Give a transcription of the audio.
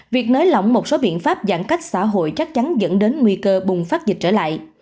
việc nới lỏng một số biện pháp giãn cách xã hội chắc chắn dẫn đến nguy cơ bùng phát dịch trở lại